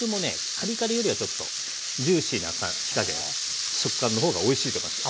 カリカリよりはちょっとジューシーな火加減食感の方がおいしいと思います。